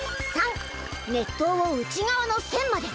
３熱湯を内側の線まで。